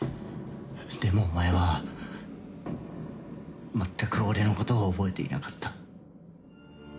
でもお前はまったく俺のことを覚えていなかった。